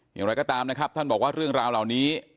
อย่างไรก็ตามนะครับท่านบอกว่าเรื่องราวเหล่านี้